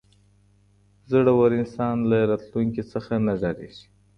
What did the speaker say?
زړور انسان له راتلونکي څخه نه ډاریږي.